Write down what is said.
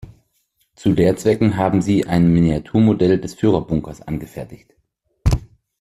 Zu Lehrzwecken haben sie ein Miniaturmodell des Führerbunkers angefertigt.